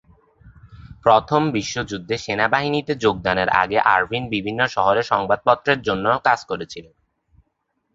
প্রথম বিশ্বযুদ্ধে সেনাবাহিনীতে যোগদানের আগে আরভিন বিভিন্ন শহরে সংবাদপত্রের জন্য কাজ করেছিলেন।